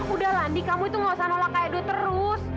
udah ndi kamu itu nggak usah nolak kaedo terus